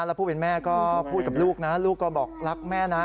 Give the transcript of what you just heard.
แล้วผู้เป็นแม่ก็พูดกับลูกนะลูกก็บอกรักแม่นะ